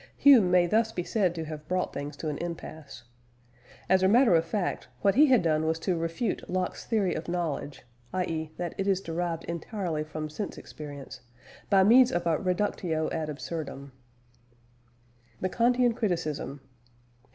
Hume may thus be said to have brought things to an impasse. As a matter of fact, what he had done was to refute Locke's theory of knowledge (i.e. that it is derived entirely from sense experience) by means of a reductio ad absurdum. THE KANTIAN CRITICISM.